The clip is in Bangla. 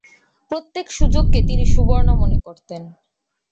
প্রত্যেক সুযোগকে তিনি সুবর্ণ মনে করতেন।